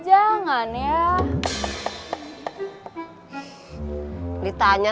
jogging kemana ya